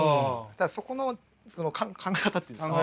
ただそこの考え方って言うんですか